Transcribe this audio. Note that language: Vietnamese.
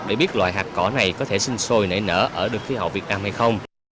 để biết loại hạt cỏ này có thể sinh sôi nảy nở ở được khí hậu việt nam hay không